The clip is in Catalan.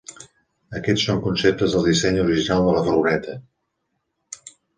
Aquests són conceptes del disseny original de la furgoneta.